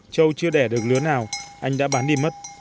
trâu chưa đẻ được lứa nào anh đã bán đi mất